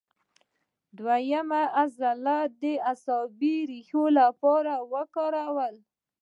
دوهیم یې عضلات د عصبي ریښو لپاره وکارول.